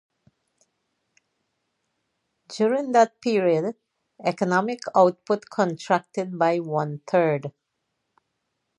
During that period, economic output contracted by one-third.